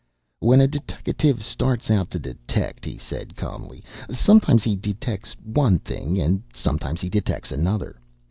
"When a deteckative starts out to detect," he said calmly, "sometimes he detects one thing and sometimes he detects another.